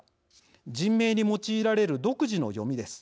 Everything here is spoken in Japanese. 人名に用いられる独自の読みです。